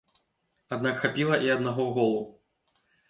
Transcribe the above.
Аднак хапіла і аднаго голу.